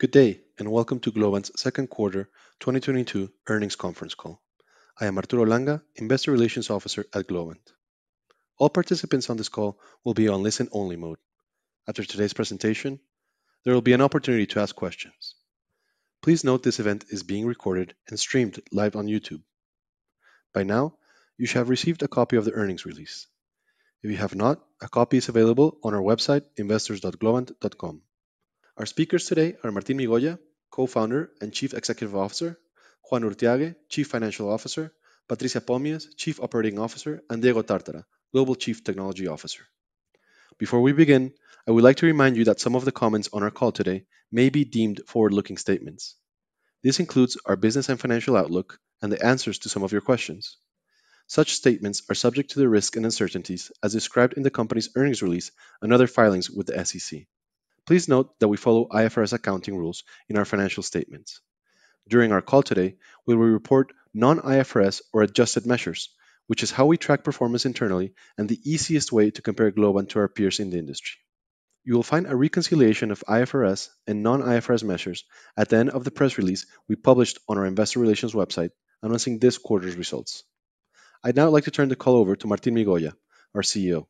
Good day, and welcome to Globant's second quarter 2022 earnings conference call. I am Arturo Langa, Investor Relations Officer at Globant. All participants on this call will be on listen-only mode. After today's presentation, there will be an opportunity to ask questions. Please note this event is being recorded and streamed live on YouTube. By now, you should have received a copy of the earnings release. If you have not, a copy is available on our website, investors.globant.com. Our speakers today are Martín Migoya, Co-founder and Chief Executive Officer, Juan Urthiague, Chief Financial Officer, Patricia Pomies, Chief Operating Officer, and Diego Tartara, Global Chief Technology Officer. Before we begin, I would like to remind you that some of the comments on our call today may be deemed forward-looking statements. This includes our business and financial outlook and the answers to some of your questions. Such statements are subject to the risk and uncertainties as described in the company's earnings release and other filings with the SEC. Please note that we follow IFRS accounting rules in our financial statements. During our call today, we will report non-IFRS or adjusted measures, which is how we track performance internally and the easiest way to compare Globant to our peers in the industry. You will find a reconciliation of IFRS and non-IFRS measures at the end of the press release we published on our investor relations website announcing this quarter's results. I'd now like to turn the call over to Martín Migoya, our CEO.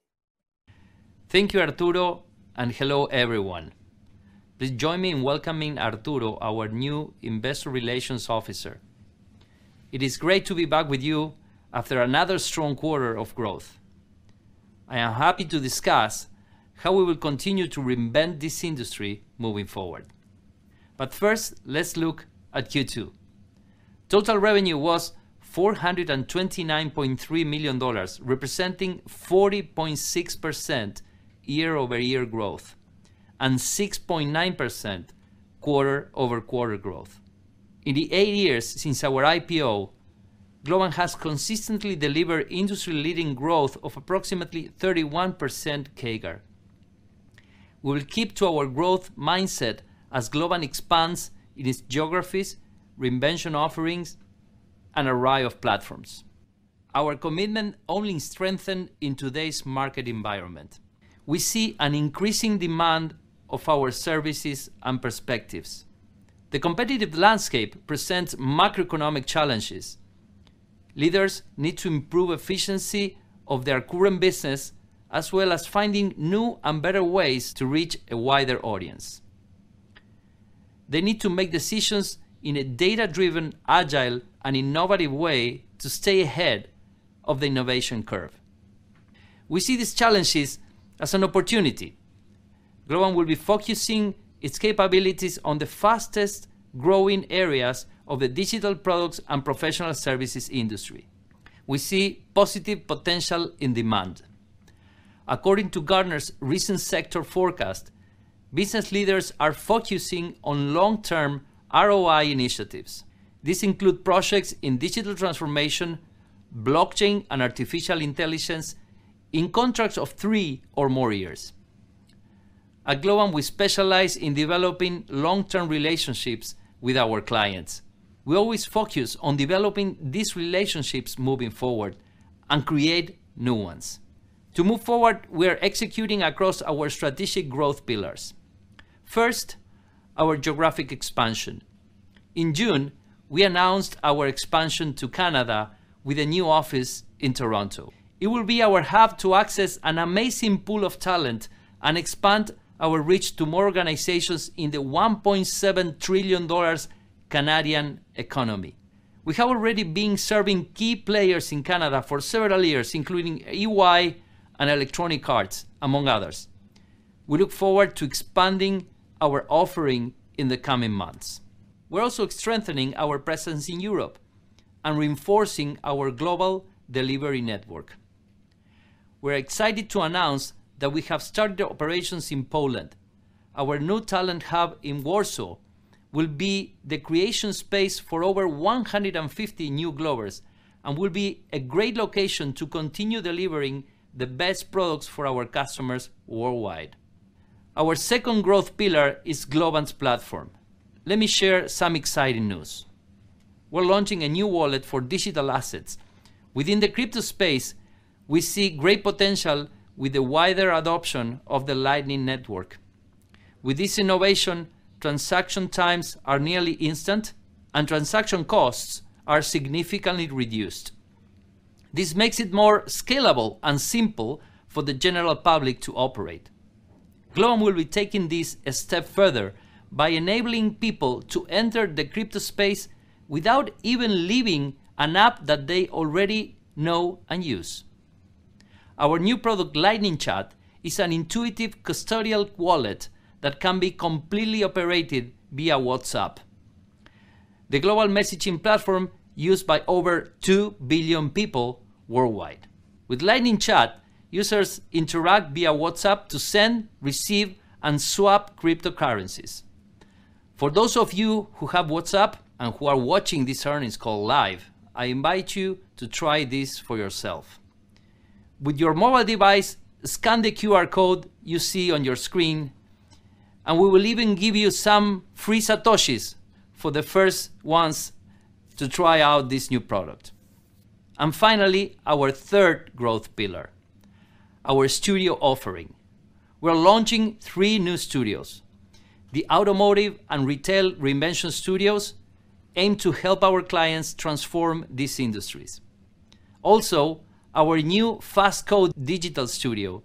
Thank you, Arturo, and hello everyone. Please join me in welcoming Arturo, our new investor relations officer. It is great to be back with you after another strong quarter of growth. I am happy to discuss how we will continue to reinvent this industry moving forward. First, let's look at Q2. Total revenue was $429.3 million, representing 40.6% year-over-year growth and 6.9% quarter-over-quarter growth. In the 8 years since our IPO, Globant has consistently delivered industry-leading growth of approximately 31% CAGR. We will keep to our growth mindset as Globant expands in its geographies, reinvention offerings, and array of platforms. Our commitment only strengthened in today's market environment. We see an increasing demand of our services and perspectives. The competitive landscape presents macroeconomic challenges. Leaders need to improve efficiency of their current business as well as finding new and better ways to reach a wider audience. They need to make decisions in a data-driven, agile, and innovative way to stay ahead of the innovation curve. We see these challenges as an opportunity. Globant will be focusing its capabilities on the fastest-growing areas of the digital products and professional services industry. We see positive potential in demand. According to Gartner's recent sector forecast, business leaders are focusing on long-term ROI initiatives. These include projects in digital transformation, blockchain, and artificial intelligence in contracts of three or more years. At Globant, we specialize in developing long-term relationships with our clients. We always focus on developing these relationships moving forward and create new ones. To move forward, we are executing across our strategic growth pillars. First, our geographic expansion. In June, we announced our expansion to Canada with a new office in Toronto. It will be our hub to access an amazing pool of talent and expand our reach to more organizations in the 1.7 trillion Canadian dollars Canadian economy. We have already been serving key players in Canada for several years, including EY and Electronic Arts, among others. We look forward to expanding our offering in the coming months. We're also strengthening our presence in Europe and reinforcing our global delivery network. We're excited to announce that we have started operations in Poland. Our new talent hub in Warsaw will be the creation space for over 150 new Globers and will be a great location to continue delivering the best products for our customers worldwide. Our second growth pillar is Globant's platform. Let me share some exciting news. We're launching a new wallet for digital assets. Within the crypto space, we see great potential with the wider adoption of the Lightning Network. With this innovation, transaction times are nearly instant, and transaction costs are significantly reduced. This makes it more scalable and simple for the general public to operate. Globant will be taking this a step further by enabling people to enter the crypto space without even leaving an app that they already know and use. Our new product, Lightning Chat, is an intuitive custodial wallet that can be completely operated via WhatsApp, the global messaging platform used by over 2 billion people worldwide. With Lightning Chat, users interact via WhatsApp to send, receive, and swap cryptocurrencies. For those of you who have WhatsApp and who are watching this earnings call live, I invite you to try this for yourself. With your mobile device, scan the QR code you see on your screen, and we will even give you some free Satoshis for the first ones to try out this new product. Finally, our third growth pillar. Our studio offering. We're launching three new studios. The Automotive and Retail Reinvention Studios aim to help our clients transform these industries. Also, our new Fast Code Studio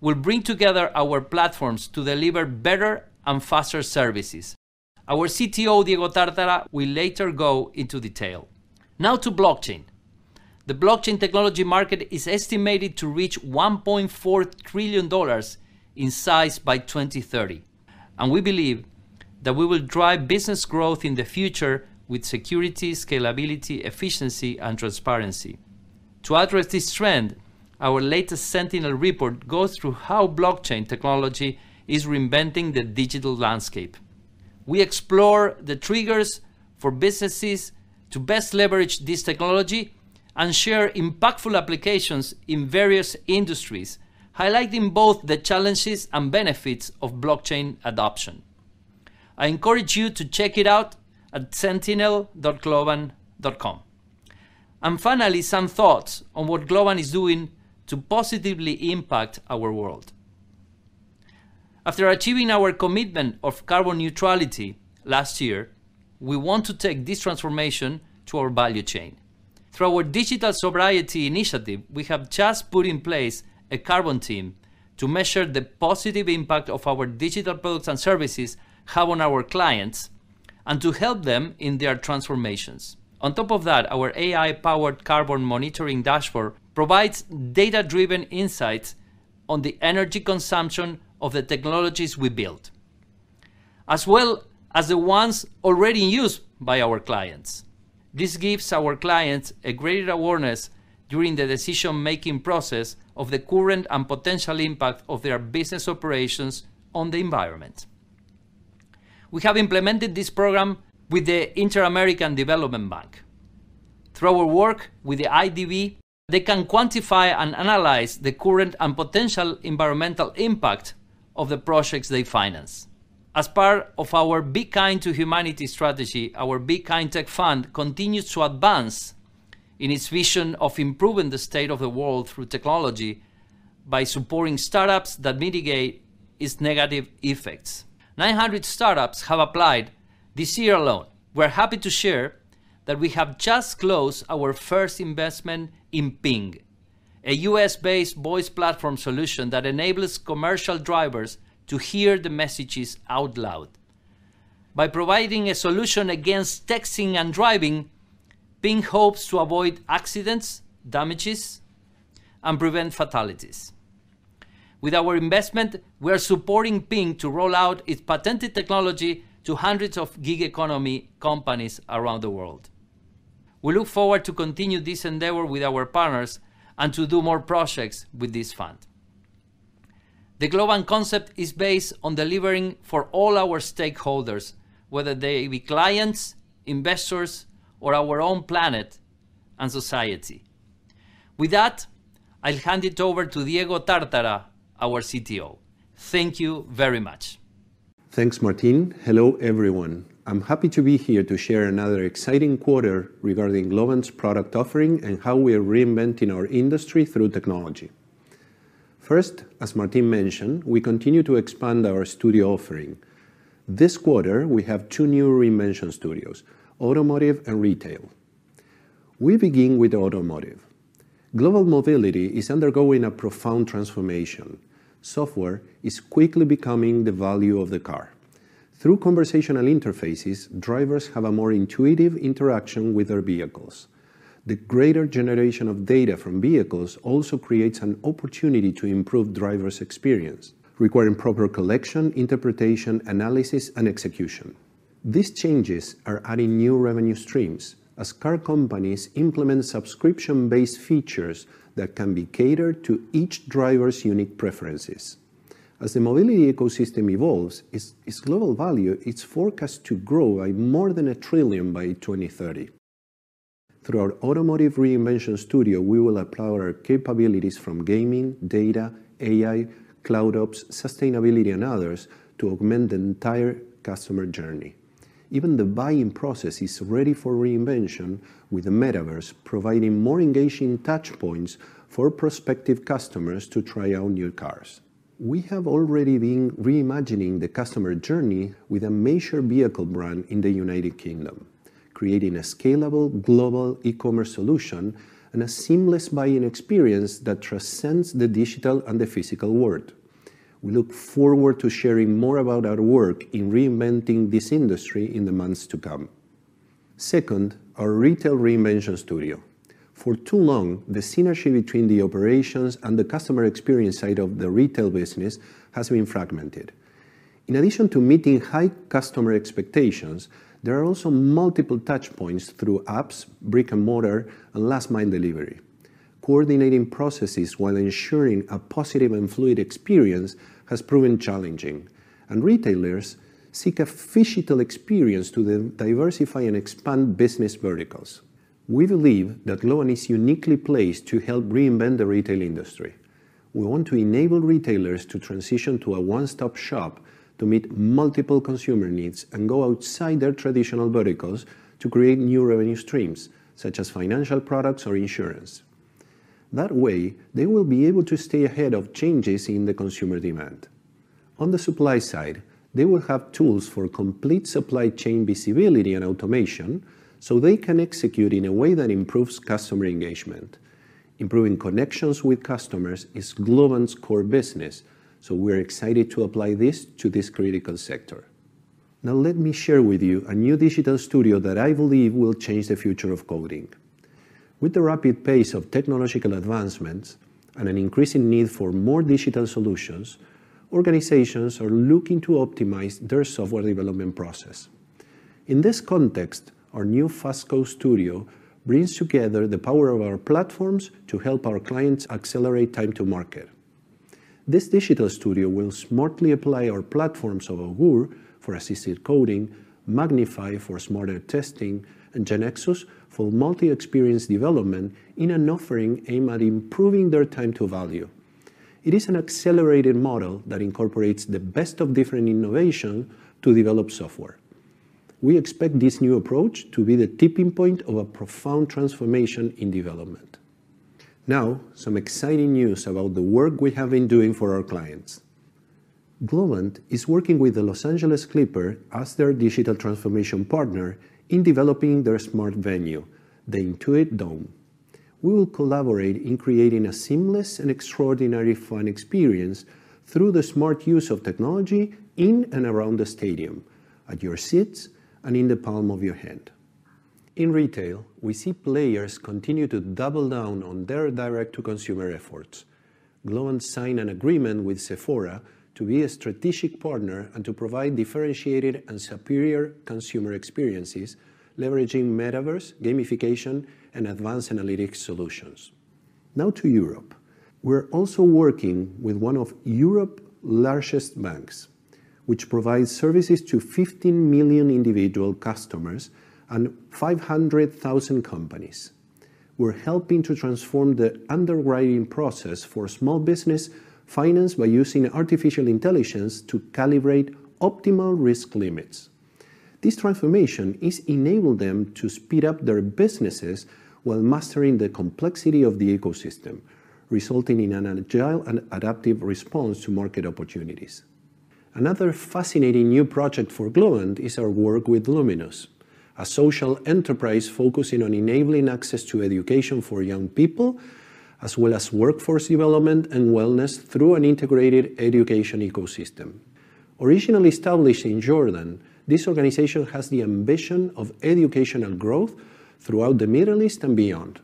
will bring together our platforms to deliver better and faster services. Our CTO, Diego Tartara, will later go into detail. Now to blockchain. The blockchain technology market is estimated to reach $1.4 trillion in size by 2030, and we believe that we will drive business growth in the future with security, scalability, efficiency, and transparency. To address this trend, our latest Sentinel Report goes through how blockchain technology is reinventing the digital landscape. We explore the triggers for businesses to best leverage this technology and share impactful applications in various industries, highlighting both the challenges and benefits of blockchain adoption. I encourage you to check it out at sentinel.globant.com. Finally, some thoughts on what Globant is doing to positively impact our world. After achieving our commitment of carbon neutrality last year, we want to take this transformation to our value chain. Through our digital sobriety initiative, we have just put in place a carbon team to measure the positive impact that our digital products and services have on our clients and to help them in their transformations. On top of that, our AI-powered carbon monitoring dashboard provides data-driven insights on the energy consumption of the technologies we built, as well as the ones already in use by our clients. This gives our clients a greater awareness during the decision-making process of the current and potential impact of their business operations on the environment. We have implemented this program with the Inter-American Development Bank. Through our work with the IDB, they can quantify and analyze the current and potential environmental impact of the projects they finance. As part of our Be Kind strategy, our Be Kind Tech Fund continues to advance in its vision of improving the state of the world through technology by supporting startups that mitigate its negative effects. 900 startups have applied this year alone. We're happy to share that we have just closed our first investment in Ping, a U.S.-based voice platform solution that enables commercial drivers to hear the messages out loud. By providing a solution against texting and driving, Ping hopes to avoid accidents, damages, and prevent fatalities. With our investment, we are supporting Ping to roll out its patented technology to hundreds of gig economy companies around the world. We look forward to continue this endeavor with our partners and to do more projects with this fund. The Globant concept is based on delivering for all our stakeholders, whether they be clients, investors, or our own planet and society. With that, I'll hand it over to Diego Tartara, our CTO. Thank you very much. Thanks, Martin. Hello, everyone. I'm happy to be here to share another exciting quarter regarding Globant's product offering and how we are reinventing our industry through technology. First, as Martin mentioned, we continue to expand our studio offering. This quarter, we have two new reinvention studios, Automotive and Retail. We begin with Automotive. Global mobility is undergoing a profound transformation. Software is quickly becoming the value of the car. Through conversational interfaces, drivers have a more intuitive interaction with their vehicles. The greater generation of data from vehicles also creates an opportunity to improve drivers' experience, requiring proper collection, interpretation, analysis, and execution. These changes are adding new revenue streams as car companies implement subscription-based features that can be catered to each driver's unique preferences. As the mobility ecosystem evolves, its global value is forecast to grow by more than $1 trillion by 2030. Through our Automotive Reinvention Studio, we will apply our capabilities from gaming, data, AI, CloudOps, sustainability, and others to augment the entire customer journey. Even the buying process is ready for reinvention with the Metaverse providing more engaging touchpoints for prospective customers to try out new cars. We have already been reimagining the customer journey with a major vehicle brand in the United Kingdom, creating a scalable global e-commerce solution and a seamless buying experience that transcends the digital and the physical world. We look forward to sharing more about our work in reinventing this industry in the months to come. Second, our Retail Reinvention Studio. For too long, the synergy between the operations and the customer experience side of the retail business has been fragmented. In addition to meeting high customer expectations, there are also multiple touchpoints through apps, brick-and-mortar, and last mile delivery. Coordinating processes while ensuring a positive and fluid experience has proven challenging, and retailers seek a phygital experience to diversify and expand business verticals. We believe that Globant is uniquely placed to help reinvent the retail industry. We want to enable retailers to transition to a one-stop shop to meet multiple consumer needs and go outside their traditional verticals to create new revenue streams, such as financial products or insurance. That way, they will be able to stay ahead of changes in the consumer demand. On the supply side, they will have tools for complete supply chain visibility and automation, so they can execute in a way that improves customer engagement. Improving connections with customers is Globant's core business, so we're excited to apply this to this critical sector. Now let me share with you a new digital studio that I believe will change the future of coding. With the rapid pace of technological advancements and an increasing need for more digital solutions, organizations are looking to optimize their software development process. In this context, our new Fast Code studio brings together the power of our platforms to help our clients accelerate time to market. This digital studio will smartly apply our platforms of Augoor for assisted coding, MagnifAI for smarter testing, and GeneXus for multi-experience development in an offering aimed at improving their time to value. It is an accelerated model that incorporates the best of different innovation to develop software. We expect this new approach to be the tipping point of a profound transformation in development. Now, some exciting news about the work we have been doing for our clients. Globant is working with the Los Angeles Clippers as their digital transformation partner in developing their smart venue, the Intuit Dome. We will collaborate in creating a seamless and extraordinary fan experience through the smart use of technology in and around the stadium, at your seats, and in the palm of your hand. In retail, we see players continue to double down on their direct-to-consumer efforts. Globant signed an agreement with Sephora to be a strategic partner and to provide differentiated and superior consumer experiences leveraging Metaverse, gamification, and advanced analytics solutions. Now to Europe. We're also working with one of Europe's largest banks, which provides services to 15 million individual customers and 500,000 companies. We're helping to transform the underwriting process for small business finance by using artificial intelligence to calibrate optimal risk limits. This transformation has enabled them to speed up their businesses while mastering the complexity of the ecosystem, resulting in an agile and adaptive response to market opportunities. Another fascinating new project for Globant is our work with Luminus, a social enterprise focusing on enabling access to education for young people, as well as workforce development and wellness through an integrated education ecosystem. Originally established in Jordan, this organization has the ambition of educational growth throughout the Middle East and beyond.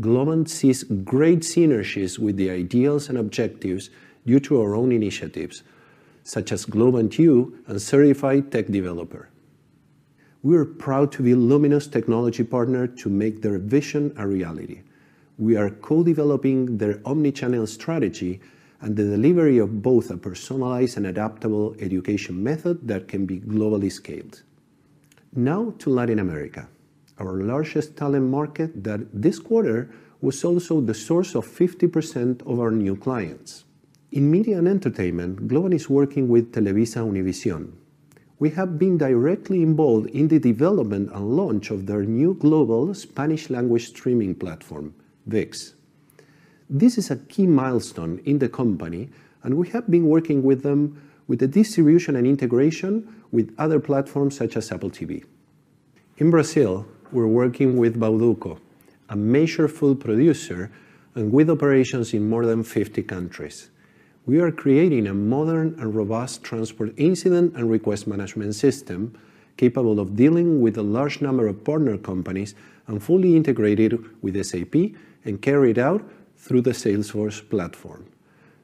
Globant sees great synergies with the ideals and objectives due to our own initiatives, such as Globant U and Certified Tech Developer. We are proud to be Luminus' technology partner to make their vision a reality. We are co-developing their omni-channel strategy and the delivery of both a personalized and adaptable education method that can be globally scaled. Now to Latin America, our largest talent market that this quarter was also the source of 50% of our new clients. In media and entertainment, Globant is working with TelevisaUnivision. We have been directly involved in the development and launch of their new global Spanish-language streaming platform, ViX. This is a key milestone in the company, and we have been working with them with the distribution and integration with other platforms such as Apple TV. In Brazil, we're working with Bauducco, a major food producer and with operations in more than 50 countries. We are creating a modern and robust transport incident and request management system capable of dealing with a large number of partner companies and fully integrated with SAP and carried out through the Salesforce platform.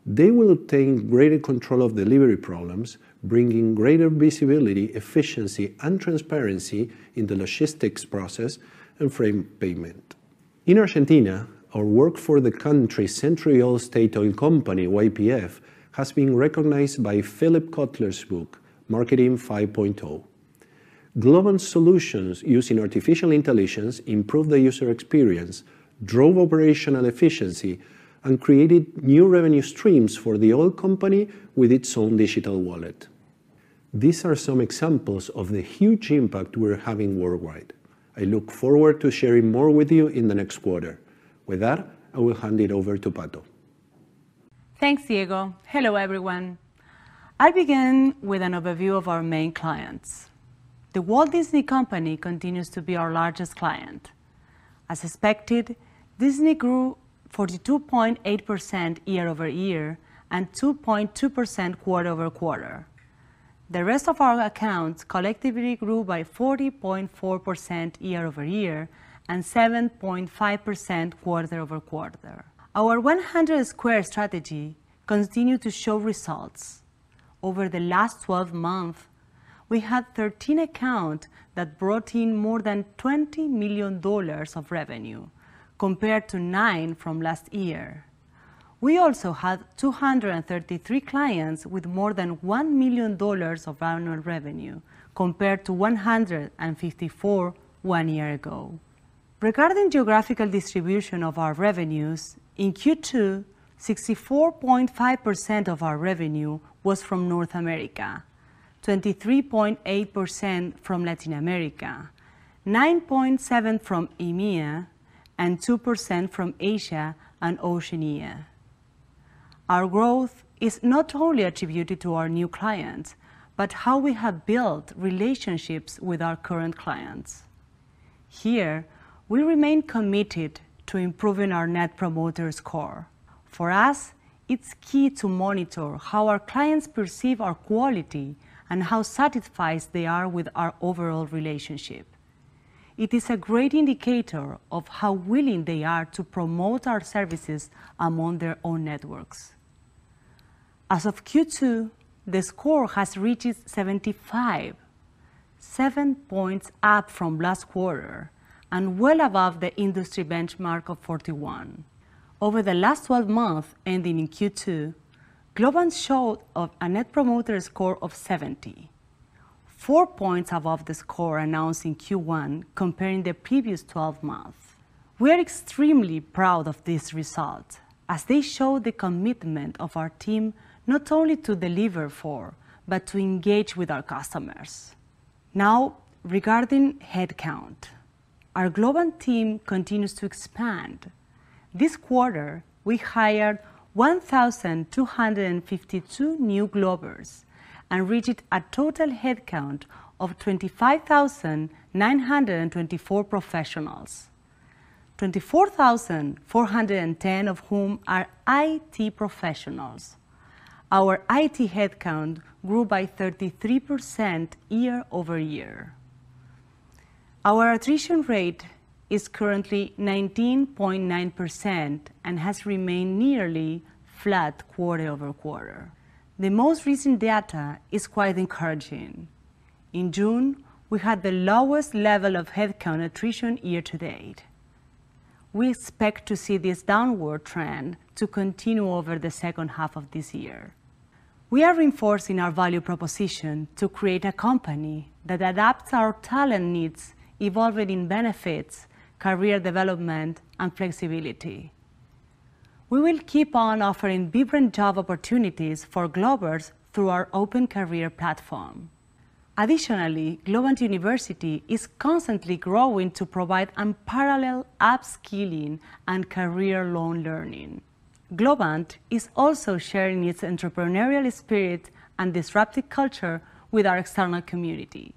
They will obtain greater control of delivery problems, bringing greater visibility, efficiency, and transparency in the logistics process and freight payment. In Argentina, our work for the country's central state-owned company, YPF, has been recognized by Philip Kotler's book, Marketing 5.0. Globant's solutions using artificial intelligence improved the user experience, drove operational efficiency, and created new revenue streams for the oil company with its own digital wallet. These are some examples of the huge impact we're having worldwide. I look forward to sharing more with you in the next quarter. With that, I will hand it over to Pato. Thanks, Diego. Hello, everyone. I begin with an overview of our main clients. The Walt Disney Company continues to be our largest client. As expected, Disney grew 42.8% year-over-year and 2.2% quarter-over-quarter. The rest of our accounts collectively grew by 40.4% year-over-year and 7.5% quarter-over-quarter. Our 100 Squared strategy continued to show results. Over the last 12 months, we had 13 accounts that brought in more than $20 million of revenue, compared to 9 from last year. We also had 233 clients with more than $1 million of annual revenue, compared to 154 one year ago. Regarding geographical distribution of our revenues, in Q2, 64.5% of our revenue was from North America. 23.8% from Latin America, 9.7% from EMEA, and 2% from Asia and Oceania. Our growth is not only attributed to our new clients, but how we have built relationships with our current clients. Here, we remain committed to improving our net promoter score. For us, it's key to monitor how our clients perceive our quality and how satisfied they are with our overall relationship. It is a great indicator of how willing they are to promote our services among their own networks. As of Q2, the score has reached 75, seven points up from last quarter, and well above the industry benchmark of 41. Over the last 12 months ending in Q2, Globant showed a net promoter score of 70, four points above the score announced in Q1 comparing the previous 12 months. We are extremely proud of this result, as they show the commitment of our team not only to deliver for, but to engage with our customers. Now, regarding headcount. Our Globant team continues to expand. This quarter, we hired 1,252 new Globers and reached a total headcount of 25,924 professionals, 24,410 of whom are IT professionals. Our IT headcount grew by 33% year-over-year. Our attrition rate is currently 19.9% and has remained nearly flat quarter-over-quarter. The most recent data is quite encouraging. In June, we had the lowest level of headcount attrition year to date. We expect to see this downward trend to continue over the second half of this year. We are reinforcing our value proposition to create a company that adapts our talent needs, evolving benefits, career development, and flexibility. We will keep on offering different job opportunities for Globers through our open career platform. Additionally, Globant University is constantly growing to provide unparalleled upskilling and career long learning. Globant is also sharing its entrepreneurial spirit and disruptive culture with our external community.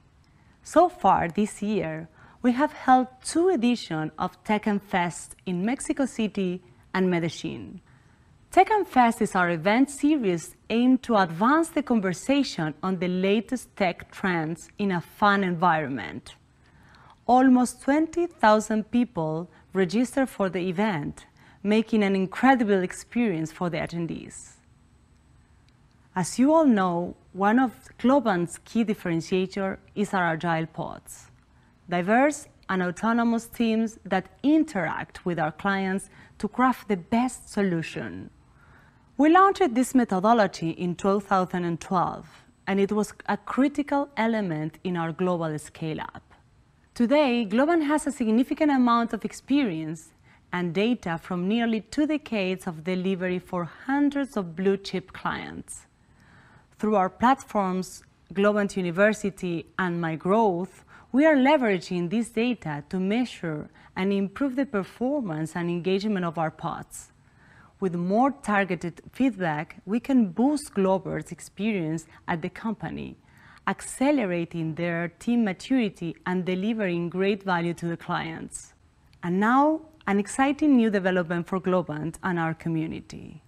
So far this year, we have held two editions of Tech N' Fest in Mexico City and Medellín. Tech N' Fest is our event series aimed to advance the conversation on the latest tech trends in a fun environment. Almost 20,000 people registered for the event, making an incredible experience for the attendees. As you all know, one of Globant's key differentiator is our agile pods, diverse and autonomous teams that interact with our clients to craft the best solution. We launched this methodology in 2012, and it was a critical element in our global scale-up. Today, Globant has a significant amount of experience and data from nearly two decades of delivery for hundreds of blue-chip clients. Through our platforms, Globant University and MyGrowth, we are leveraging this data to measure and improve the performance and engagement of our pods. With more targeted feedback, we can boost Globers' experience at the company, accelerating their team maturity and delivering great value to the clients. Now, an exciting new development for Globant and our community.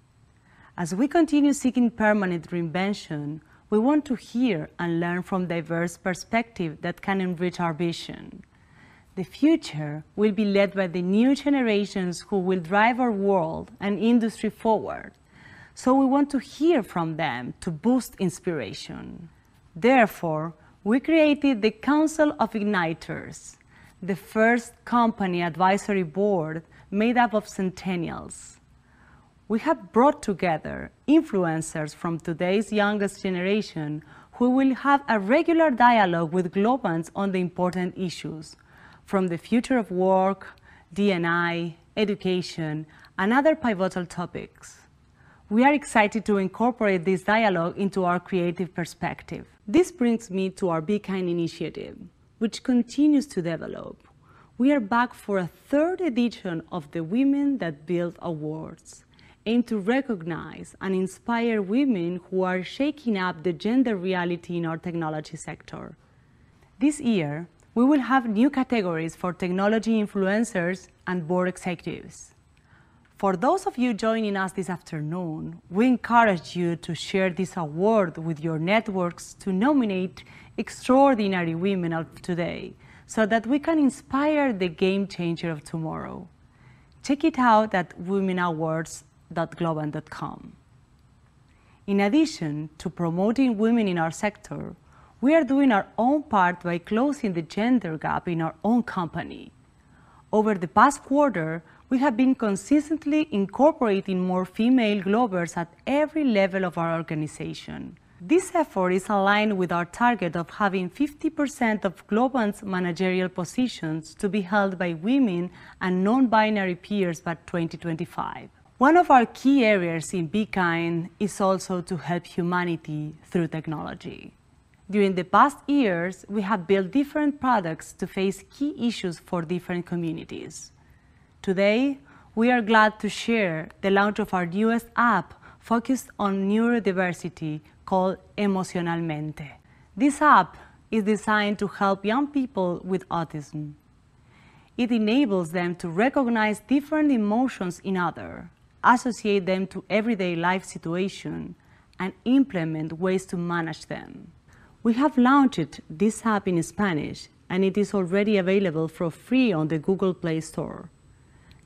As we continue seeking permanent reinvention, we want to hear and learn from diverse perspective that can enrich our vision. The future will be led by the new generations who will drive our world and industry forward, so we want to hear from them to boost inspiration. Therefore, we created the Council of Igniters, the first company advisory board made up of centennials. We have brought together influencers from today's youngest generation who will have a regular dialogue with Globant on the important issues, from the future of work, D&I, education, and other pivotal topics. We are excited to incorporate this dialogue into our creative perspective. This brings me to our Be Kind initiative, which continues to develop. We are back for a third edition of the Women That Build Awards, aimed to recognize and inspire women who are shaking up the gender reality in our technology sector. This year, we will have new categories for technology influencers and board executives. For those of you joining us this afternoon, we encourage you to share this award with your networks to nominate extraordinary women of today, so that we can inspire the game changer of tomorrow. Check it out at womenawards.globant.com. In addition to promoting women in our sector, we are doing our own part by closing the gender gap in our own company. Over the past quarter, we have been consistently incorporating more female Globers at every level of our organization. This effort is aligned with our target of having 50% of Globant's managerial positions to be held by women and non-binary peers by 2025. One of our key areas in Be Kind is also to help humanity through technology. During the past years, we have built different products to face key issues for different communities. Today, we are glad to share the launch of our newest app focused on neurodiversity called Emocionalmente. This app is designed to help young people with autism. It enables them to recognize different emotions in others, associate them to everyday life situations, and implement ways to manage them. We have launched this app in Spanish, and it is already available for free on the Google Play Store.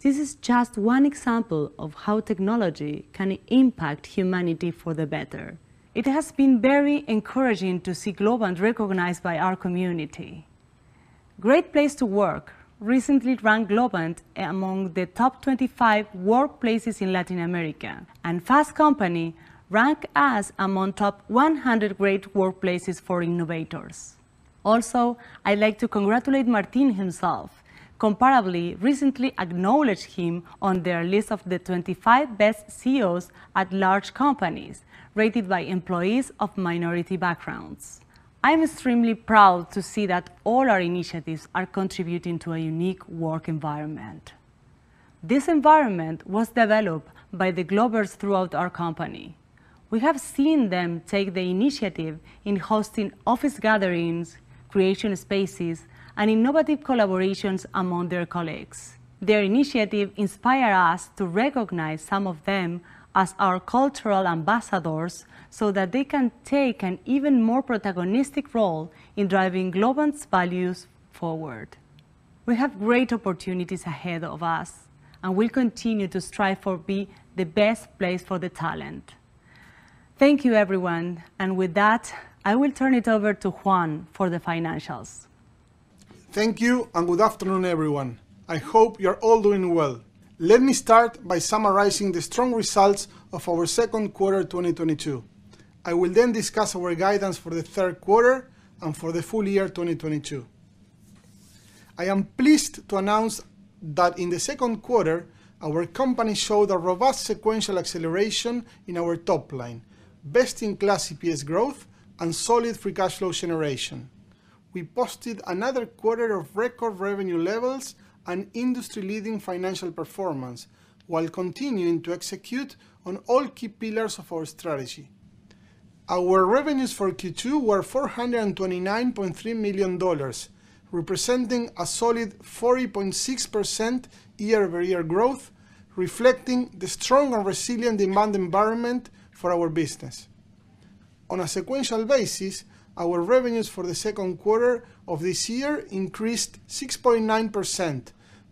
This is just one example of how technology can impact humanity for the better. It has been very encouraging to see Globant recognized by our community. Great Place to Work recently ranked Globant among the top 25 workplaces in Latin America, and Fast Company ranked us among top 100 great workplaces for innovators. I'd like to congratulate Martín himself. Comparably recently acknowledged him on their list of the 25 best CEOs at large companies, rated by employees of minority backgrounds. I'm extremely proud to see that all our initiatives are contributing to a unique work environment. This environment was developed by the Globers throughout our company. We have seen them take the initiative in hosting office gatherings, creation spaces, and innovative collaborations among their colleagues. Their initiative inspire us to recognize some of them as our cultural ambassadors, so that they can take an even more protagonistic role in driving Globant's values forward. We have great opportunities ahead of us, and we continue to strive for be the best place for the talent. Thank you, everyone. With that, I will turn it over to Juan for the financials. Thank you, and good afternoon, everyone. I hope you're all doing well. Let me start by summarizing the strong results of our second quarter 2022. I will then discuss our guidance for the third quarter and for the full year 2022. I am pleased to announce that in the second quarter, our company showed a robust sequential acceleration in our top line, best in class EPS growth, and solid free cash flow generation. We posted another quarter of record revenue levels and industry-leading financial performance, while continuing to execute on all key pillars of our strategy. Our revenues for Q2 were $429.3 million, representing a solid 40.6% year-over-year growth, reflecting the strong and resilient demand environment for our business. On a sequential basis, our revenues for the second quarter of this year increased 6.9%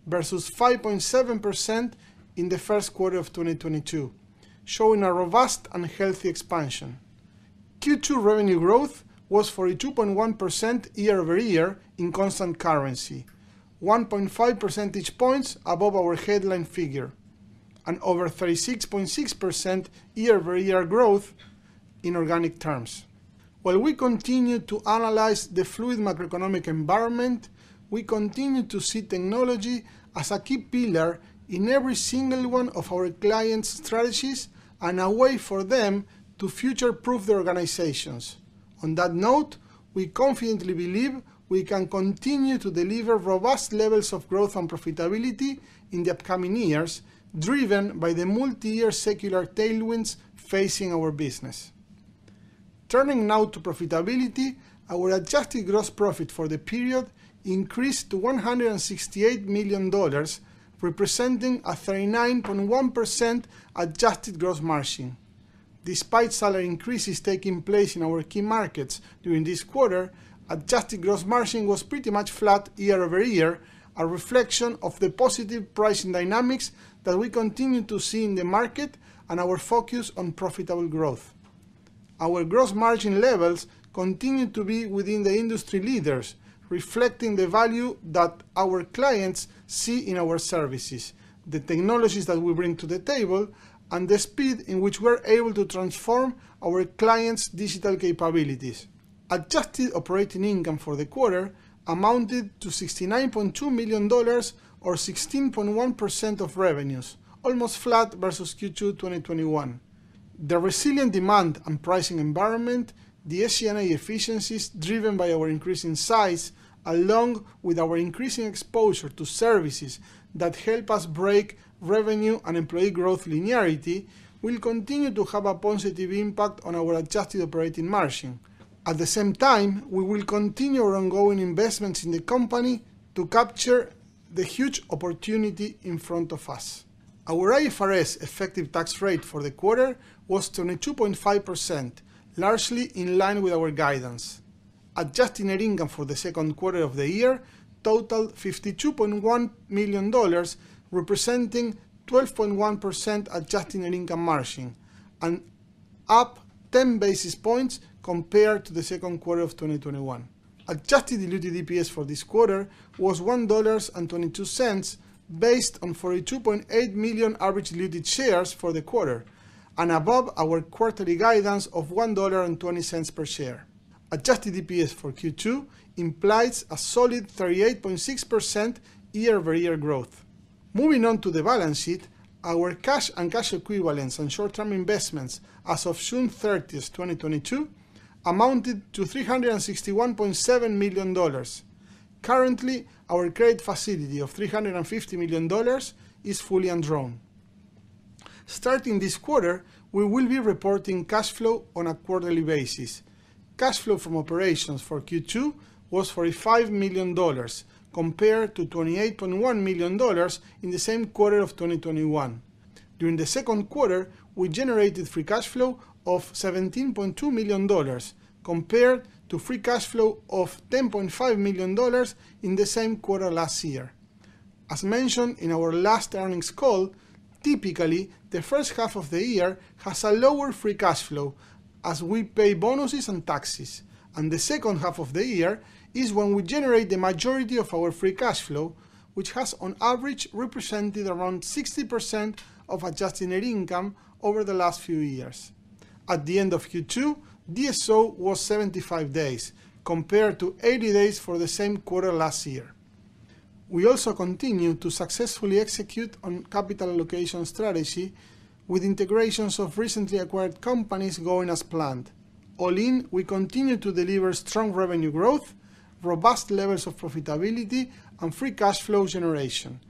versus 5.7% in the first quarter of 2022, showing a robust and healthy expansion. Q2 revenue growth was 42.1% year-over-year in constant currency, 1.5 percentage points above our headline figure, and over 36.6% year-over-year growth in organic terms. While we continue to analyze the fluid macroeconomic environment, we continue to see technology as a key pillar in every single one of our clients' strategies and a way for them to future-proof their organizations. On that note, we confidently believe we can continue to deliver robust levels of growth and profitability in the upcoming years, driven by the multiyear secular tailwinds facing our business. Turning now to profitability, our adjusted gross profit for the period increased to $168 million, representing a 39.1% adjusted gross margin. Despite salary increases taking place in our key markets during this quarter, adjusted gross margin was pretty much flat year-over-year, a reflection of the positive pricing dynamics that we continue to see in the market and our focus on profitable growth. Our gross margin levels continue to be within the industry leaders, reflecting the value that our clients see in our services, the technologies that we bring to the table, and the speed in which we're able to transform our clients' digital capabilities. Adjusted operating income for the quarter amounted to $69.2 million or 16.1% of revenues, almost flat versus Q2 2021. The resilient demand and pricing environment, the SG&A efficiencies driven by our increasing size, along with our increasing exposure to services that help us break revenue and employee growth linearity, will continue to have a positive impact on our adjusted operating margin. At the same time, we will continue our ongoing investments in the company to capture the huge opportunity in front of us. Our IFRS effective tax rate for the quarter was 22.5%, largely in line with our guidance. Adjusted net income for the second quarter of the year totaled $52.1 million, representing 12.1% adjusted net income margin and up 10 basis points compared to the second quarter of 2021. Adjusted diluted EPS for this quarter was $1.22, based on 42.8 million average diluted shares for the quarter and above our quarterly guidance of $1.20 per share. Adjusted EPS for Q2 implies a solid 38.6% year-over-year growth. Moving on to the balance sheet, our cash and cash equivalents and short-term investments as of June 30th, 2022, amounted to $361.7 million. Currently, our credit facility of $350 million is fully undrawn. Starting this quarter, we will be reporting cash flow on a quarterly basis. Cash flow from operations for Q2 was $45 million, compared to $28.1 million in the same quarter of 2021. During the second quarter, we generated free cash flow of $17.2 million, compared to free cash flow of $10.5 million in the same quarter last year. As mentioned in our last earnings call, typically the first half of the year has a lower free cash flow as we pay bonuses and taxes. The second half of the year is when we generate the majority of our free cash flow, which has on average represented around 60% of adjusted net income over the last few years. At the end of Q2, DSO was 75 days compared to 80 days for the same quarter last year. We also continue to successfully execute on capital allocation strategy with integrations of recently acquired companies going as planned. All in, we continue to deliver strong revenue growth, robust levels of profitability, and free cash flow generation,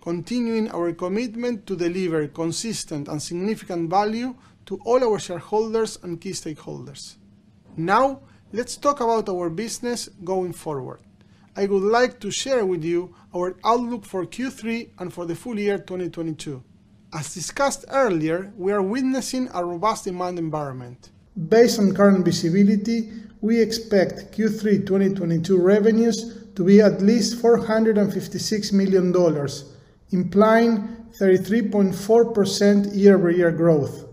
continuing our commitment to deliver consistent and significant value to all our shareholders and key stakeholders. Now, let's talk about our business going forward. I would like to share with you our outlook for Q3 and for the full year 2022. As discussed earlier, we are witnessing a robust demand environment. Based on current visibility, we expect Q3 2022 revenues to be at least $456 million, implying 33.4% year-over-year growth.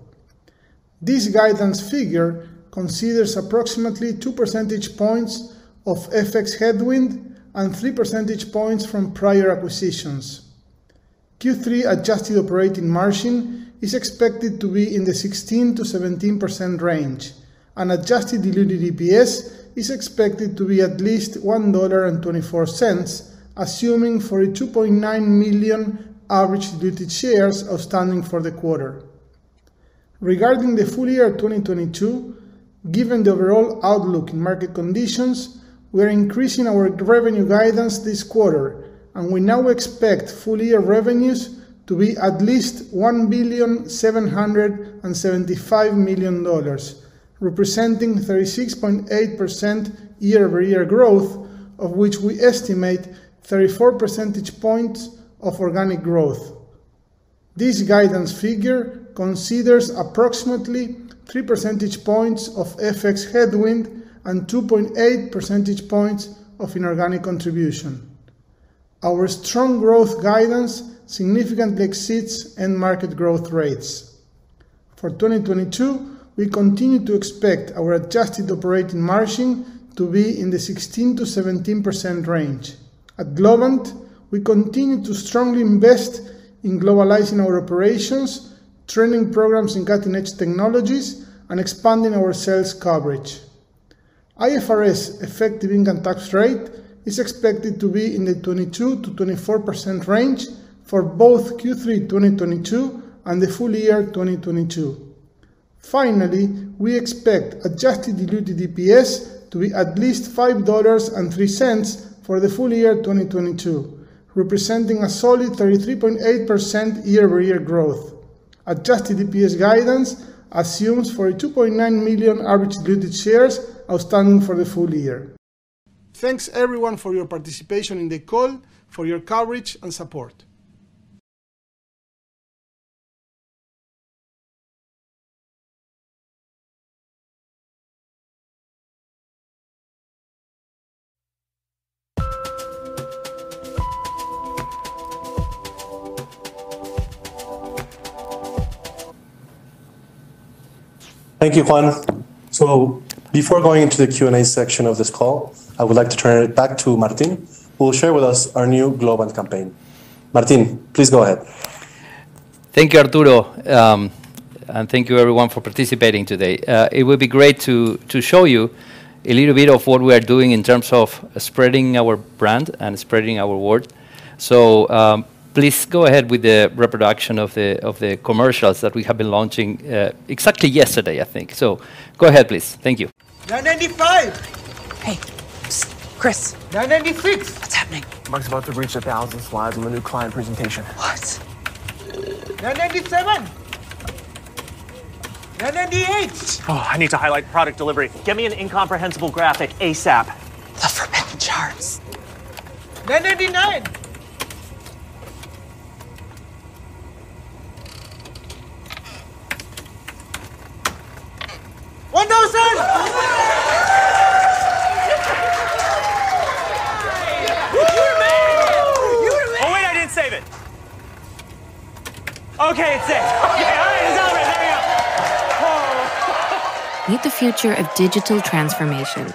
This guidance figure considers approximately 2 percentage points of FX headwind and 3 percentage points from prior acquisitions. Q3 adjusted operating margin is expected to be in the 16%-17% range, and adjusted diluted EPS is expected to be at least $1.24, assuming 42.9 million average diluted shares outstanding for the quarter. Regarding the full year 2022, given the overall outlook in market conditions, we are increasing our revenue guidance this quarter, and we now expect full year revenues to be at least $1,775 million, representing 36.8% year-over-year growth, of which we estimate 34 percentage points of organic growth. This guidance figure considers approximately 3 percentage points of FX headwind and 2.8 percentage points of inorganic contribution. Our strong growth guidance significantly exceeds end market growth rates. For 2022, we continue to expect our adjusted operating margin to be in the 16%-17% range. At Globant, we continue to strongly invest in globalizing our operations, training programs in cutting-edge technologies, and expanding our sales coverage. IFRS effective income tax rate is expected to be in the 22%-24% range for both Q3 2022 and the full year 2022. Finally, we expect adjusted diluted EPS to be at least $5.03 for the full year 2022, representing a solid 33.8% year-over-year growth. Adjusted EPS guidance assumes 42.9 million average diluted shares outstanding for the full year. Thanks everyone for your participation in the call, for your coverage and support. Thank you, Juan. Before going into the Q&A section of this call, I would like to turn it back to Martín, who will share with us our new Globant campaign. Martín, please go ahead. Thank you, Arturo. And thank you everyone for participating today. It would be great to show you a little bit of what we are doing in terms of spreading our brand and spreading our word. Please go ahead with the reproduction of the commercials that we have been launching exactly yesterday, I think. Go ahead, please. Thank you. 995. Hey. Psst. Chris. 996. What's happening? Mark's about to reach 1,000 slides on the new client presentation. What? 997. 998. Oh, I need to highlight product delivery. Get me an incomprehensible graphic ASAP. The forbidden charts. 999. 1,000. You're amazing. Oh, wait, I didn't save it. Okay, it's saved. Okay. All right. It's all right. There we go. Oh. Meet the future of digital transformation.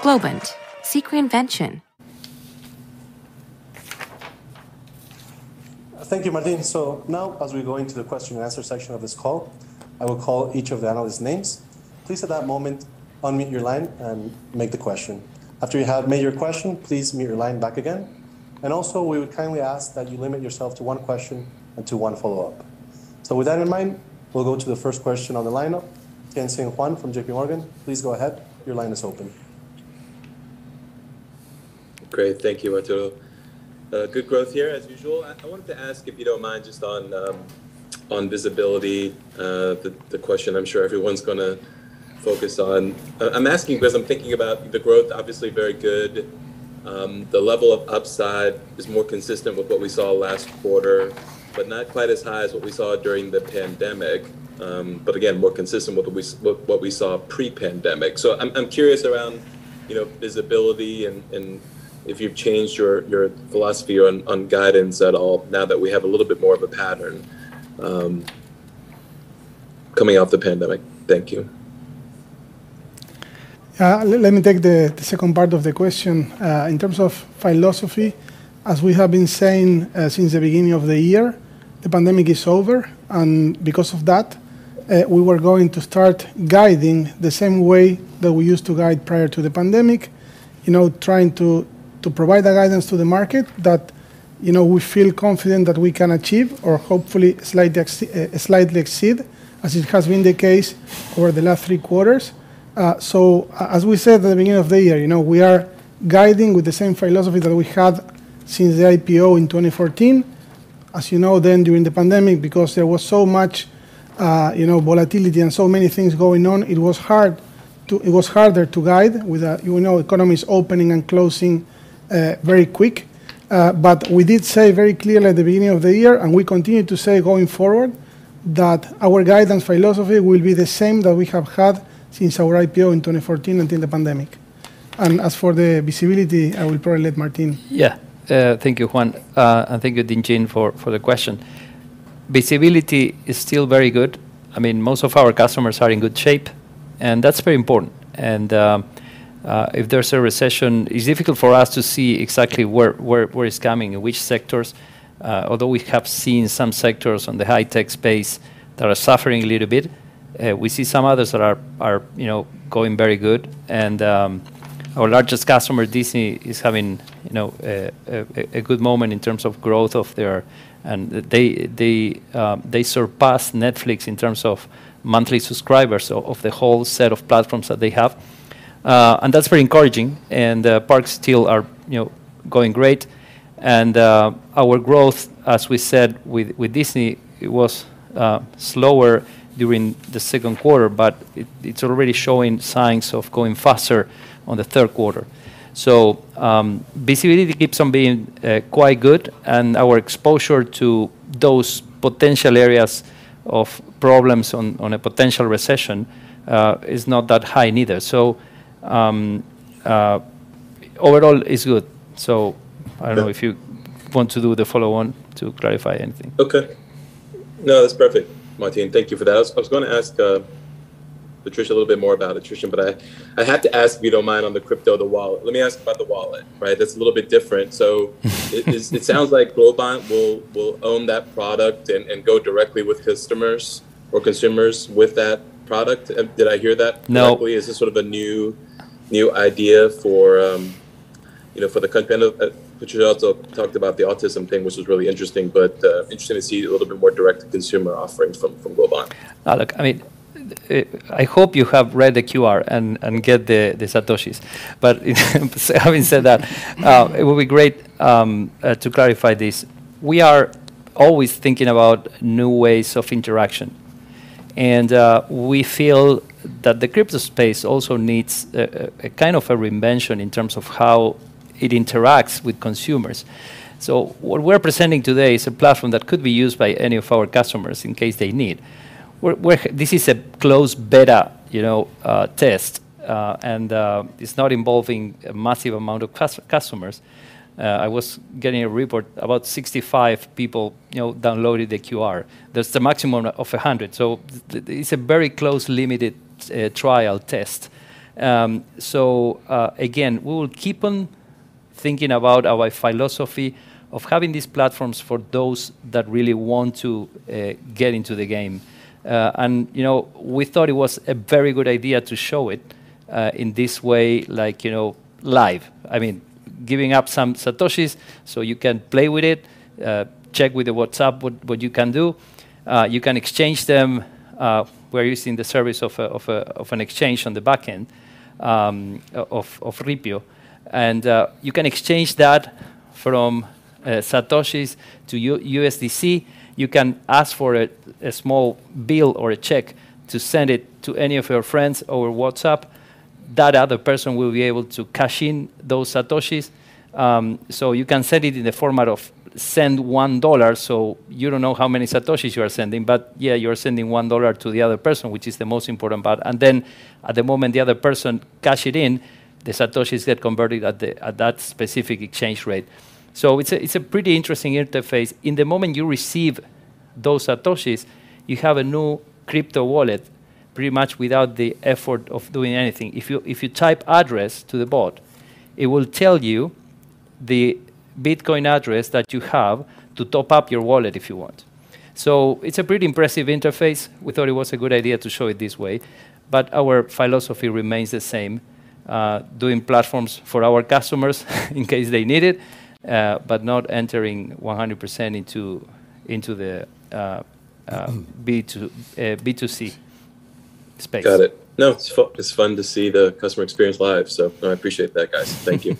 Globant. Seek reinvention. Thank you, Martin. Now as we go into the question and answer section of this call, I will call each of the analysts' names. Please at that moment, unmute your line and make the question. After you have made your question, please mute your line back again. Also, we would kindly ask that you limit yourself to one question and to one follow-up. With that in mind, we'll go to the first question on the lineup. Tien-Tsin Huang from JPMorgan, please go ahead. Your line is open. Great. Thank you, Arturo. Good growth here as usual. I wanted to ask, if you don't mind, just on visibility, the question I'm sure everyone's gonna focus on. I'm asking because I'm thinking about the growth, obviously very good. The level of upside is more consistent with what we saw last quarter, but not quite as high as what we saw during the pandemic. But again, more consistent with what we saw pre-pandemic. I'm curious around, you know, visibility and if you've changed your philosophy on guidance at all now that we have a little bit more of a pattern coming off the pandemic. Thank you. Let me take the second part of the question. In terms of philosophy, as we have been saying since the beginning of the year, the pandemic is over, and because of that, we were going to start guiding the same way that we used to guide prior to the pandemic. You know, trying to provide that guidance to the market that, you know, we feel confident that we can achieve or hopefully slightly exceed, as it has been the case over the last three quarters. As we said at the beginning of the year, you know, we are guiding with the same philosophy that we had since the IPO in 2014. As you know, during the pandemic, because there was so much, you know, volatility and so many things going on, it was harder to guide with, you know, economies opening and closing, very quick. We did say very clearly at the beginning of the year, and we continue to say going forward that our guidance philosophy will be the same that we have had since our IPO in 2014 until the pandemic. As for the visibility, I will probably let Martín. Yeah. Thank you, Juan. Thank you, Tien-Tsin, for the question. Visibility is still very good. I mean, most of our customers are in good shape, and that's very important. If there's a recession, it's difficult for us to see exactly where it's coming, in which sectors. Although we have seen some sectors on the high tech space that are suffering a little bit, we see some others that are, you know, going very good. Our largest customer, Disney, is having, you know, a good moment in terms of growth of their. They surpass Netflix in terms of monthly subscribers of the whole set of platforms that they have. That's very encouraging. Parks still are, you know, going great. Our growth, as we said with Disney, it was slower during the second quarter, but it's already showing signs of going faster on the third quarter. Visibility keeps on being quite good, and our exposure to those potential areas of problems on a potential recession is not that high neither. Overall it's good. I don't know if you want to do the follow-on to clarify anything. Okay. No, that's perfect, Martin. Thank you for that. I was gonna ask Patricia a little bit more about attrition, but I had to ask, if you don't mind, on the crypto, the wallet. Let me ask about the wallet, right? That's a little bit different. It sounds like Globant will own that product and go directly with customers or consumers with that product. Did I hear that correctly? No. Is this sort of a new idea for, you know, for the company? You also talked about the autism thing, which was really interesting to see a little bit more direct consumer offerings from Globant. Now look, I mean, I hope you have read the QR and get the Satoshis. Having said that, it would be great to clarify this. We are always thinking about new ways of interaction. We feel that the crypto space also needs a kind of a reinvention in terms of how it interacts with consumers. What we're presenting today is a platform that could be used by any of our customers in case they need. This is a closed beta, you know, test, and it's not involving a massive amount of customers. I was getting a report about 65 people, you know, downloaded the QR. That's the maximum of 100. It's a very close limited trial test. Again, we will keep on thinking about our philosophy of having these platforms for those that really want to get into the game. You know, we thought it was a very good idea to show it in this way, like, you know, live. I mean, giving up some Satoshis so you can play with it, check with WhatsApp what you can do. You can exchange them. We're using the service of an exchange on the back end of Ripio. You can exchange that from Satoshis to USDC. You can ask for a small bill or a check to send it to any of your friends over WhatsApp. That other person will be able to cash in those Satoshis. You can send it in the format of send $1, you don't know how many Satoshis you are sending, but yeah, you're sending $1 to the other person, which is the most important part. Then at the moment the other person cash it in, the Satoshis get converted at that specific exchange rate. It's a pretty interesting interface. In the moment you receive those Satoshis, you have a new crypto wallet pretty much without the effort of doing anything. If you type address to the bot, it will tell you the Bitcoin address that you have to top up your wallet if you want. It's a pretty impressive interface. We thought it was a good idea to show it this way. Our philosophy remains the same, doing platforms for our customers in case they need it, but not entering 100% into the B2C space. Got it. No, it's fun to see the customer experience live, so I appreciate that, guys. Thank you.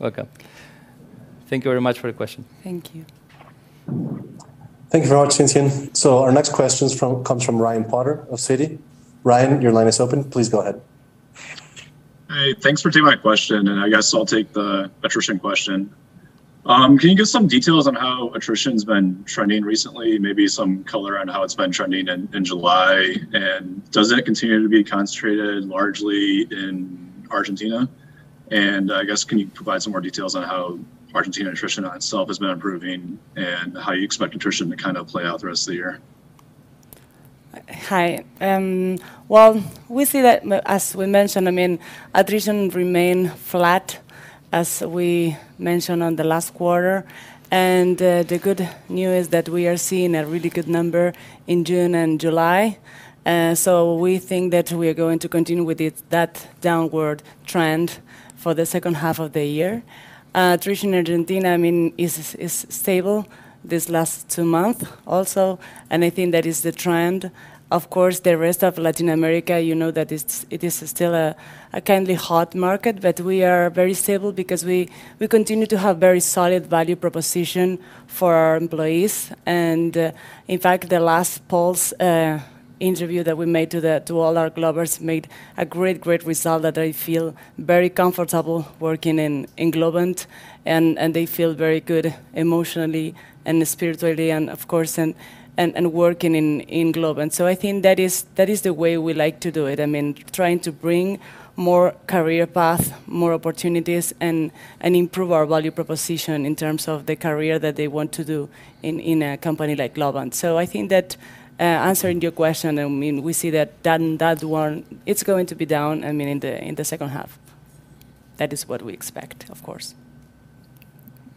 Welcome. Thank you very much for your question. Thank you. Thank you very much, Tien-Tsin. Our next question comes from Ryan Potter of Citi. Ryan, your line is open. Please go ahead. Hey, thanks for taking my question, and I guess I'll take the attrition question. Can you give some details on how attrition's been trending recently, maybe some color on how it's been trending in July? And does it continue to be concentrated largely in Argentina? And I guess, can you provide some more details on how Argentina attrition itself has been improving and how you expect attrition to kind of play out the rest of the year? Hi. Well, we see that as we mentioned, I mean, attrition remain flat as we mentioned in the last quarter. The good news that we are seeing a really good number in June and July. We think that we are going to continue with it, that downward trend for the second half of the year. Attrition Argentina, I mean, is stable this last two month also, and I think that is the trend. Of course, the rest of Latin America, you know that it is still a kind of hot market, but we are very stable because we continue to have very solid value proposition for our employees. In fact, the last pulse interview that we made to all our Globers made a great result that I feel very comfortable working in Globant. They feel very good emotionally and spiritually and of course working in Globant. I think that is the way we like to do it. I mean, trying to bring more career path, more opportunities, and improve our value proposition in terms of the career that they want to do in a company like Globant. I think that answering your question, I mean, we see that one, it's going to be down, I mean, in the second half. That is what we expect, of course.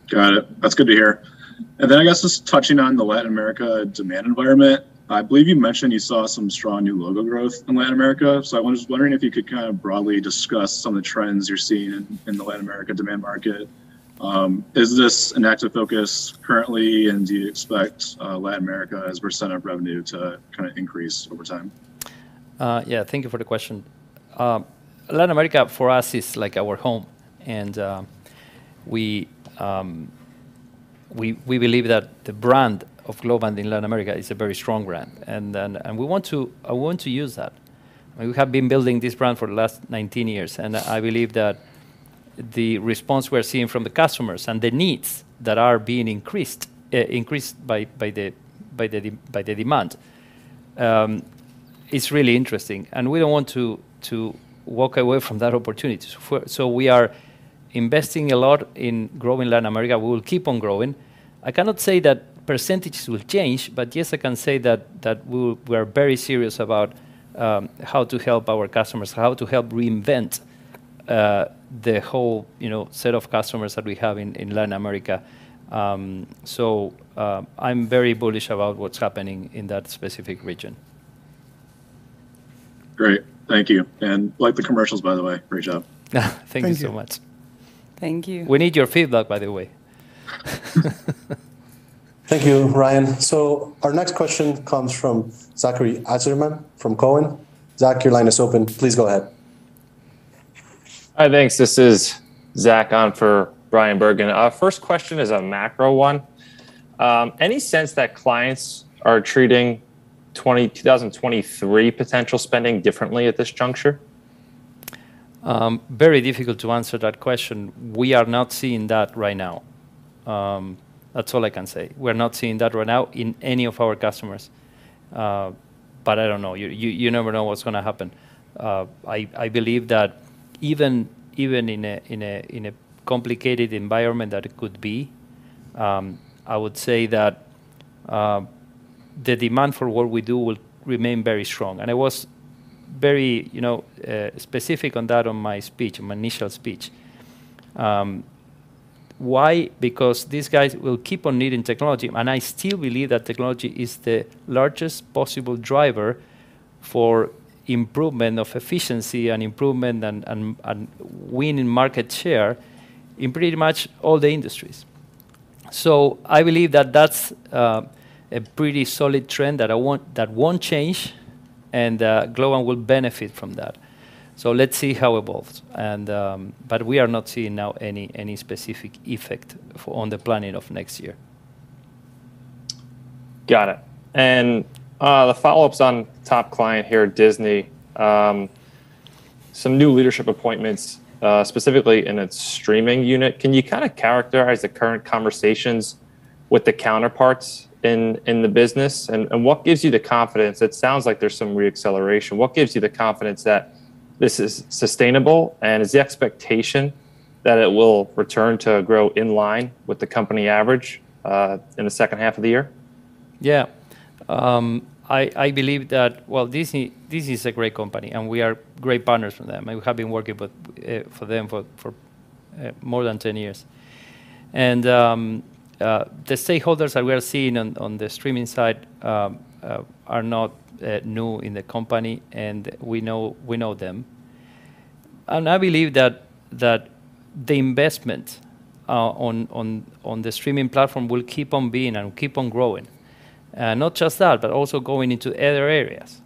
Got it. That's good to hear. Then I guess just touching on the Latin America demand environment, I believe you mentioned you saw some strong new logo growth in Latin America. I was just wondering if you could kind of broadly discuss some of the trends you're seeing in the Latin America demand market. Is this an active focus currently, and do you expect Latin America as a percent of revenue to kind of increase over time? Yeah. Thank you for the question. Latin America for us is like our home, and we believe that the brand of Globant in Latin America is a very strong brand. I want to use that. I mean, we have been building this brand for the last 19 years, and I believe that the response we're seeing from the customers and the needs that are being increased by the demand is really interesting. We don't want to walk away from that opportunity. We are investing a lot in growing Latin America. We will keep on growing. I cannot say that percentages will change, but yes, I can say that we're very serious about how to help our customers, how to help reinvent the whole, you know, set of customers that we have in Latin America. I'm very bullish about what's happening in that specific region. Great. Thank you. Like the commercials, by the way. Great job. Thank you so much. Thank you. We need your feedback, by the way. Thank you, Ryan. Our next question comes from Zachary Ajzenman from Cowen. Zach, your line is open. Please go ahead. Hi, thanks. This is Zach on for Bryan Bergin. First question is a macro one. Any sense that clients are treating 2023 potential spending differently at this juncture? Very difficult to answer that question. We are not seeing that right now. That's all I can say. We're not seeing that right now in any of our customers. But I don't know. You never know what's gonna happen. I believe that even in a complicated environment that it could be. I would say that the demand for what we do will remain very strong. I was very, you know, specific on that on my speech, my initial speech. Why? Because these guys will keep on needing technology, and I still believe that technology is the largest possible driver for improvement of efficiency and improvement and winning market share in pretty much all the industries. I believe that that's a pretty solid trend that won't change, and Globant will benefit from that. Let's see how it evolves. We are not seeing now any specific effect on the planning of next year. Got it. The follow-up's on top client here at Disney. Some new leadership appointments, specifically in its streaming unit. Can you kinda characterize the current conversations with the counterparts in the business? What gives you the confidence? It sounds like there's some re-acceleration. What gives you the confidence that this is sustainable, and is the expectation that it will return to grow in line with the company average in the second half of the year? Yeah. I believe that, well, Disney is a great company, and we are great partners with them, and we have been working with them for more than 10 years. The stakeholders that we are seeing on the streaming side are not new in the company, and we know them. I believe that the investment on the streaming platform will keep on being and keep on growing. Not just that, but also going into other areas.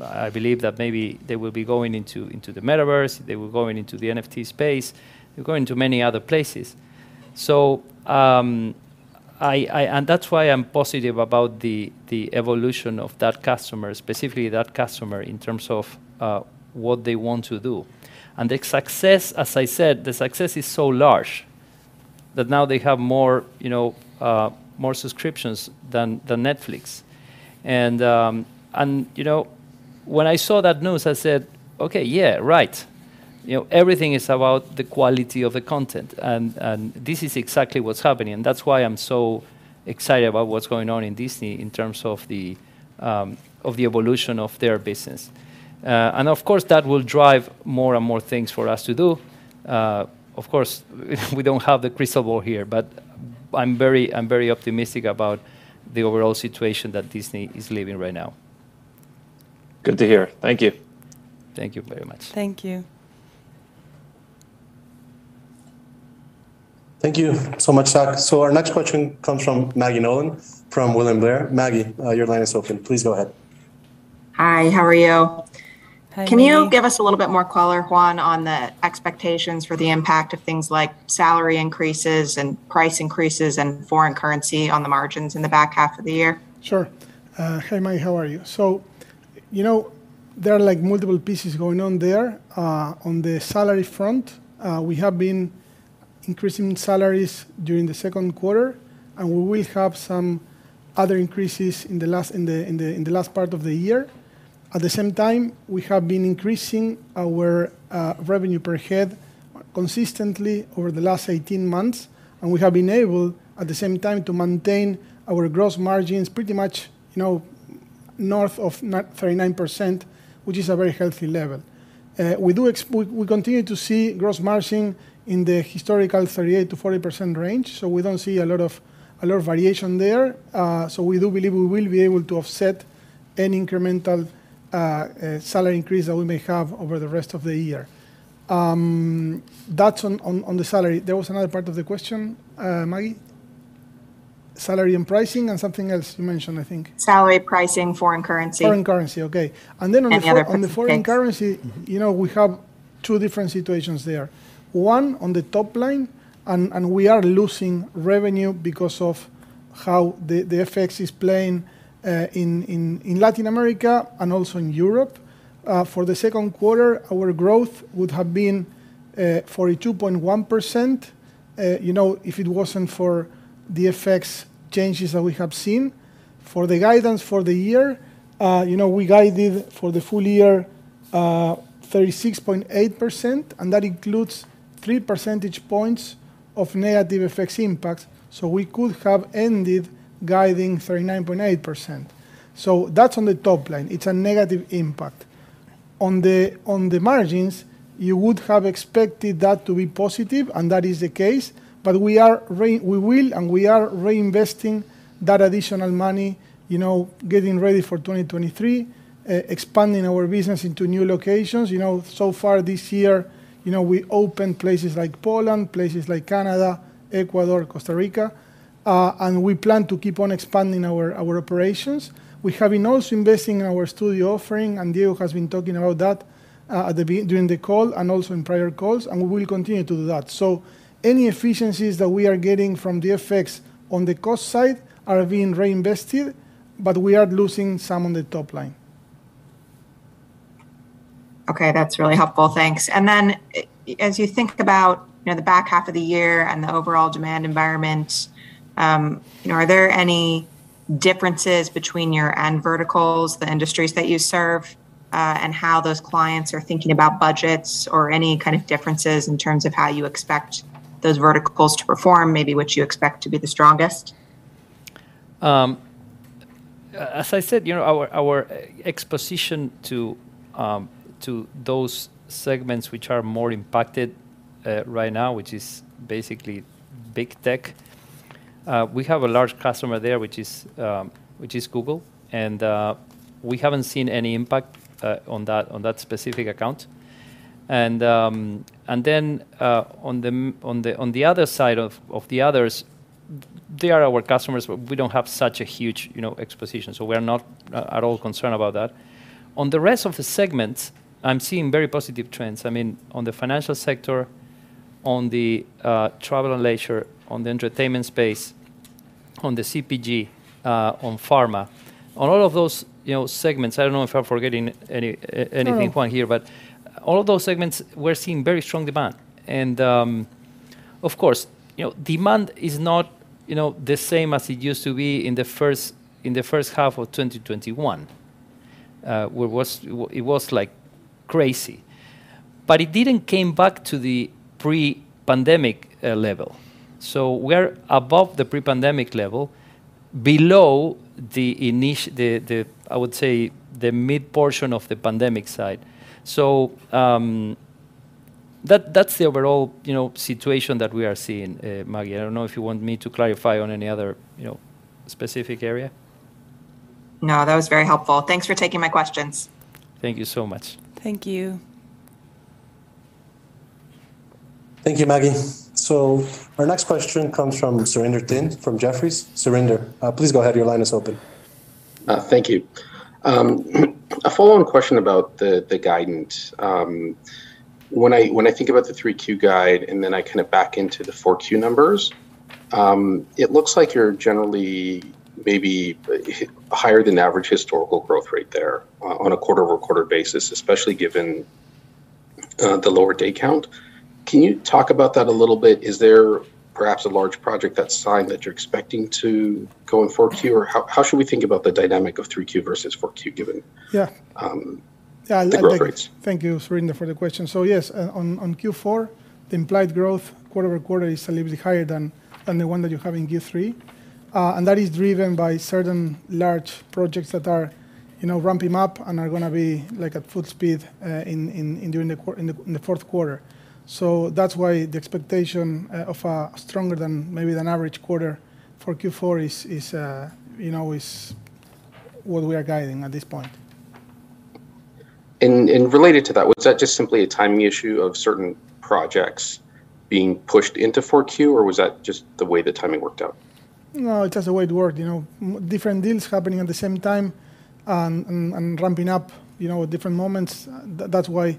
I believe that maybe they will be going into the Metaverse, they will go into the NFT space, they're going to many other places. That's why I'm positive about the evolution of that customer, specifically that customer in terms of what they want to do. The success, as I said, is so large that now they have more subscriptions than Netflix. You know, when I saw that news, I said, "Okay, yeah, right." You know, everything is about the quality of the content, and this is exactly what's happening, and that's why I'm so excited about what's going on in Disney in terms of the evolution of their business. Of course, that will drive more and more things for us to do. Of course, we don't have the crystal ball here, but I'm very optimistic about the overall situation that Disney is living right now. Good to hear. Thank you. Thank you very much. Thank you. Thank you so much, Zach. Our next question comes from Maggie Nolan from William Blair. Maggie, your line is open. Please go ahead. Hi, how are you? Hi, Maggie. Can you give us a little bit more color, Juan, on the expectations for the impact of things like salary increases and price increases and foreign currency on the margins in the back half of the year? Sure. Hi, Maggie, how are you? You know, there are like multiple pieces going on there. On the salary front, we have been increasing salaries during the second quarter, and we will have some other increases in the last part of the year. At the same time, we have been increasing our revenue per head consistently over the last 18 months, and we have been able, at the same time, to maintain our gross margins pretty much, you know, north of 39%, which is a very healthy level. We continue to see gross margin in the historical 38%-40% range, so we don't see a lot of variation there. We do believe we will be able to offset any incremental salary increase that we may have over the rest of the year. That's on the salary. There was another part of the question, Maggie. Salary and pricing and something else you mentioned, I think. Salary, pricing, foreign currency. Foreign currency, okay. The other fixed. On the foreign currency, you know, we have two different situations there. One, on the top line, and we are losing revenue because of how the FX is playing in Latin America and also in Europe. For the second quarter, our growth would have been 42.1%, you know, if it wasn't for the FX changes that we have seen. For the guidance for the year, you know, we guided for the full year 36.8%, and that includes 3 percentage points of negative FX impacts, so we could have ended guiding 39.8%. That's on the top line. It's a negative impact. On the margins, you would have expected that to be positive, and that is the case, but we are reinvesting that additional money, you know, getting ready for 2023, expanding our business into new locations. You know, so far this year, you know, we opened places like Poland, places like Canada, Ecuador, Costa Rica, and we plan to keep on expanding our operations. We have been also investing in our studio offering, and Diego has been talking about that, during the call and also in prior calls, and we will continue to do that. Any efficiencies that we are getting from the FX on the cost side are being reinvested, but we are losing some on the top line. Okay. That's really helpful. Thanks. As you think about, you know, the back half of the year and the overall demand environment, you know, are there any differences between your end verticals, the industries that you serve, and how those clients are thinking about budgets or any kind of differences in terms of how you expect those verticals to perform, maybe which you expect to be the strongest? As I said, you know, our exposure to those segments which are more impacted right now, which is basically big tech, we have a large customer there, which is Google, and we haven't seen any impact on that specific account. On the other side of the others, they are our customers, but we don't have such a huge, you know, exposure, so we're not at all concerned about that. On the rest of the segments, I'm seeing very positive trends. I mean, on the financial sector, on the travel and leisure, on the entertainment space, on the CPG, on pharma. On all of those, you know, segments, I don't know if I'm forgetting anything here. All of those segments, we're seeing very strong demand. Of course, you know, demand is not, you know, the same as it used to be in the first half of 2021. It was, like, crazy. It didn't came back to the pre-pandemic level. We're above the pre-pandemic level, below the, I would say, the mid portion of the pandemic side. That's the overall, you know, situation that we are seeing, Maggie. I don't know if you want me to clarify on any other, you know, specific area. No, that was very helpful. Thanks for taking my questions. Thank you so much. Thank you. Thank you, Maggie. Our next question comes from Surinder Thind from Jefferies. Surinder, please go ahead. Your line is open. Thank you. A follow-on question about the guidance. When I think about the 3Q guide, and then I kind of back into the 4Q numbers, it looks like you're generally maybe higher than average historical growth rate there on a quarter-over-quarter basis, especially given the lower day count. Can you talk about that a little bit? Is there perhaps a large project that's signed that you're expecting to go in 4Q? Or how should we think about the dynamic of 3Q versus 4Q given Yeah the growth rates? Yeah. Thank you, Surinder, for the question. Yes, on Q4, the implied growth quarter-over-quarter is a little bit higher than the one that you have in Q3. That is driven by certain large projects that are, you know, ramping up and are gonna be, like, at full speed in the fourth quarter. That's why the expectation of a stronger than maybe the average quarter for Q4 is, you know, what we are guiding at this point. Related to that, was that just simply a timing issue of certain projects being pushed into 4Q, or was that just the way the timing worked out? No, it's just the way it worked. You know, different deals happening at the same time and ramping up, you know, at different moments. That's why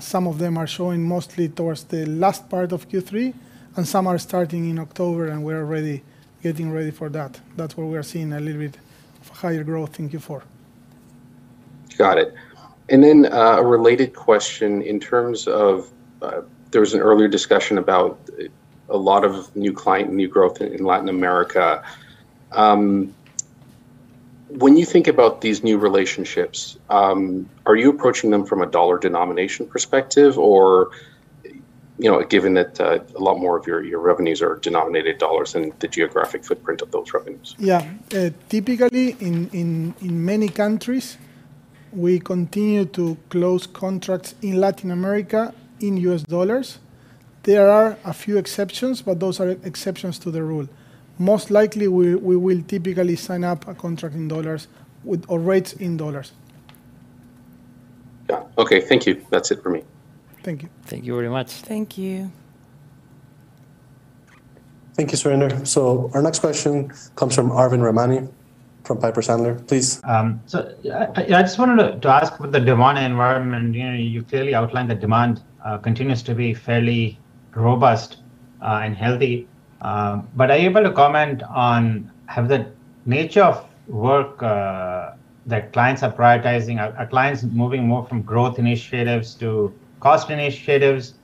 some of them are showing mostly towards the last part of Q3, and some are starting in October, and we're already getting ready for that. That's why we are seeing a little bit of higher growth in Q4. Got it. A related question in terms of, there was an earlier discussion about a lot of new client, new growth in Latin America. When you think about these new relationships, are you approaching them from a dollar denomination perspective? Or, you know, given that, a lot more of your revenues are denominated dollars than the geographic footprint of those revenues. Yeah. Typically, in many countries, we continue to close contracts in Latin America in U.S. dollars. There are a few exceptions, but those are exceptions to the rule. Most likely, we will typically sign up a contract in dollars with our rates in dollars. Yeah. Okay. Thank you. That's it for me. Thank you. Thank you very much. Thank you. Thank you, Surinder. Our next question comes from Arvind Ramnani from Piper Sandler. Please. I just wanted to ask about the demand environment. You know, you clearly outlined the demand continues to be fairly robust and healthy. Are you able to comment on have the nature of work that clients are prioritizing, are clients moving more from growth initiatives to cost initiatives?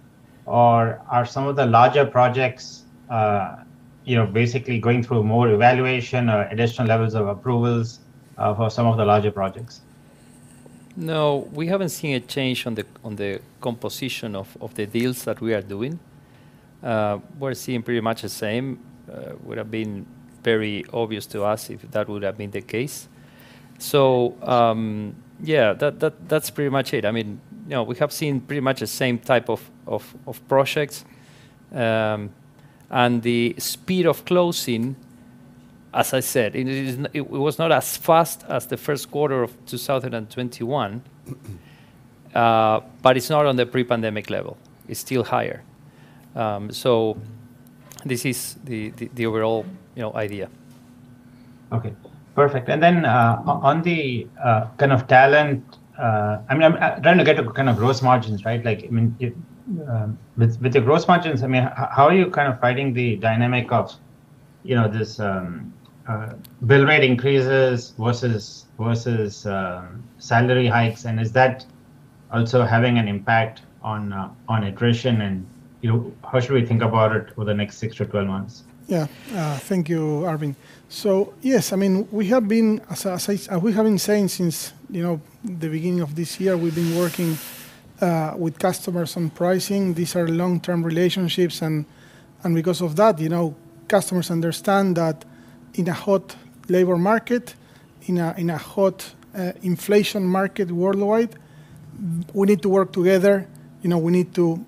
Or are some of the larger projects you know basically going through more evaluation or additional levels of approvals for some of the larger projects? No, we haven't seen a change on the composition of the deals that we are doing. We're seeing pretty much the same. Would have been very obvious to us if that would have been the case. Yeah, that's pretty much it. I mean, you know, we have seen pretty much the same type of projects. The speed of closing, as I said, it was not as fast as the first quarter of 2021, but it's not on the pre-pandemic level. It's still higher. This is the overall, you know, idea. Okay. Perfect. On the kind of talent, I mean, I'm trying to get to kind of gross margins, right? Like, I mean, with the gross margins, I mean, how are you kind of fighting the dynamic of, you know, this bill rate increases versus salary hikes? Is that also having an impact on attrition? You know, how should we think about it for the next 6-12 months? Yeah. Thank you, Arvind. Yes, I mean, we have been, as we have been saying since, you know, the beginning of this year, we've been working with customers on pricing. These are long-term relationships, and because of that, you know, customers understand that in a hot labor market, in a hot inflation market worldwide, we need to work together. You know, we need to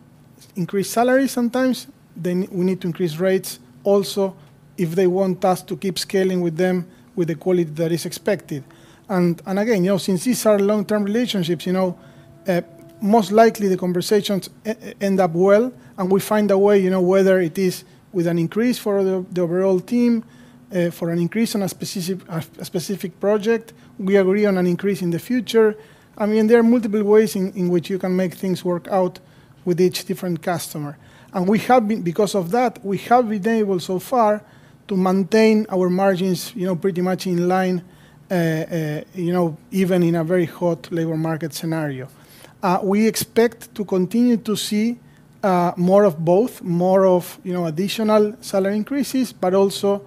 increase salaries sometimes, then we need to increase rates also if they want us to keep scaling with them with the quality that is expected. Again, you know, since these are long-term relationships, you know, most likely the conversations end up well, and we find a way, you know, whether it is with an increase for the overall team, for an increase on a specific project, we agree on an increase in the future. I mean, there are multiple ways in which you can make things work out with each different customer. Because of that, we have been able so far to maintain our margins, you know, pretty much in line, even in a very hot labor market scenario. We expect to continue to see more of both, more of, you know, additional salary increases, but also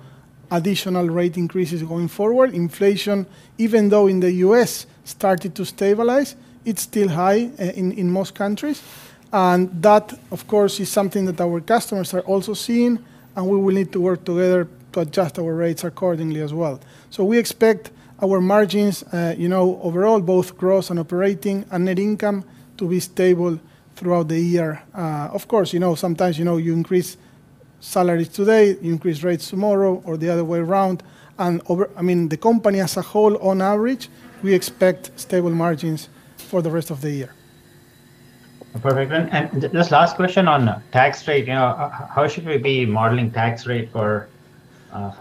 additional rate increases going forward. Inflation, even though in the U.S. started to stabilize, it's still high in most countries. That, of course, is something that our customers are also seeing, and we will need to work together to adjust our rates accordingly as well. We expect our margins, you know, overall, both gross and operating and net income to be stable throughout the year. Of course, you know, sometimes, you know, you increase salaries today, you increase rates tomorrow, or the other way around. Overall, I mean, the company as a whole on average, we expect stable margins for the rest of the year. Perfect. This last question on tax rate. You know, how should we be modeling tax rate for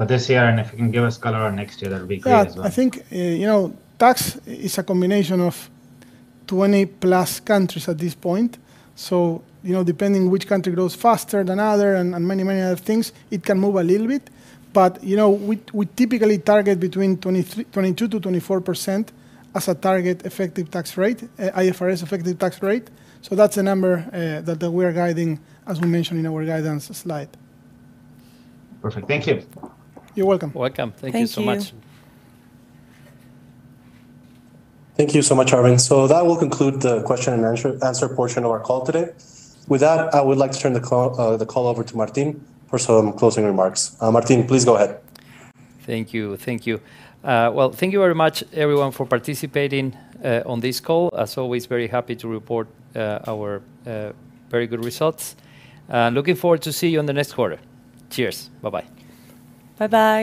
this year? If you can give us color on next year, that'd be great as well. Yeah. I think, you know, tax is a combination of 20+ countries at this point. Depending which country grows faster than other and many other things, it can move a little bit. You know, we typically target between 22%-24% as a target effective tax rate, IFRS effective tax rate. That's a number that we are guiding as we mentioned in our guidance slide. Perfect. Thank you. You're welcome. Welcome. Thank you so much. Thank you. Thank you so much, Arvind. That will conclude the question and answer portion of our call today. With that, I would like to turn the call over to Martín for some closing remarks. Martín, please go ahead. Thank you. Well, thank you very much, everyone, for participating on this call. As always, very happy to report our very good results. Looking forward to see you on the next quarter. Cheers. Bye-bye. Bye-bye.